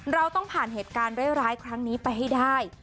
เราต้องผ่านเหตุการณ์ร้ายครั้งนี้ไปให้ได้